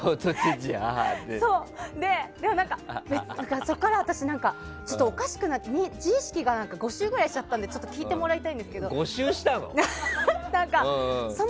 そこから私、おかしくなって自意識が５周くらいしちゃって聞いてほしいんですけども。